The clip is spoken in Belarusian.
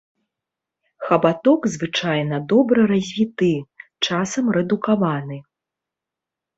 Хабаток звычайна добра развіты, часам рэдукаваны.